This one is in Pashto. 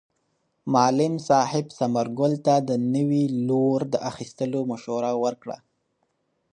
معلم صاحب ثمر ګل ته د نوي لور د اخیستلو مشوره ورکړه.